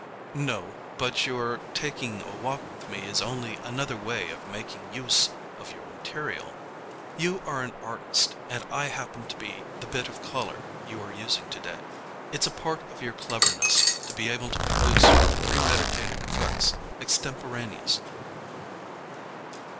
"No; but your taking a walk with me is only another way of making use of your material. You are an artist and I happen to be the bit of colour you are using today. It's a part of your cleverness to be able to produce premeditated effects extemporaneously."